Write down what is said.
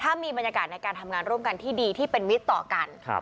ถ้ามีบรรยากาศในการทำงานร่วมกันที่ดีที่เป็นมิตรต่อกัน